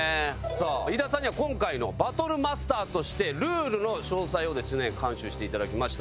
さあ井田さんには今回のバトルマスターとしてルールの詳細をですね監修して頂きました。